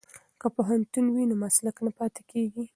که پوهنتون وي نو مسلک نه پاتیږي.